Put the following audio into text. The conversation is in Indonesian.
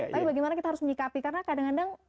tapi bagaimana kita harus menyikapi karena kadang kadang